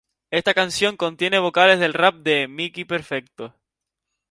Esta canción contiene vocales del rap de Mikey Perfecto.